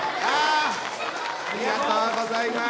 ありがとうございます。